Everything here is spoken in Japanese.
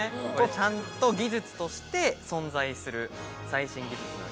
ちゃんと技術として存在する最新技術なんですね。